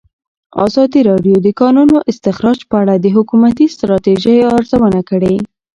ازادي راډیو د د کانونو استخراج په اړه د حکومتي ستراتیژۍ ارزونه کړې.